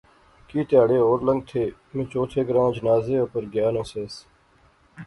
کی تہاڑے ہور لنگتھے، میں چوتھے گراں جنازے اپر گیا ناں سیس